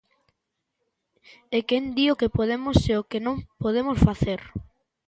É quen di o que podemos e o que non podemos facer.